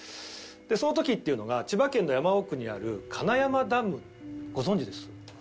その時っていうのが千葉県の山奥にある金山ダムご存じです？